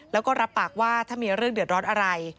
แล้วก็รับปากว่าถ้ามีเรื่องเดือดร้อนอะไร